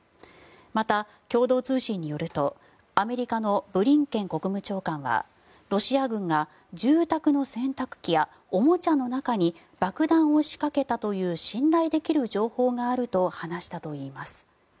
また、共同通信によるとアメリカのブリンケン国務長官はロシア軍が住宅の洗濯機やおもちゃの中に爆弾を仕掛けたという信頼できる情報があると話したといいます。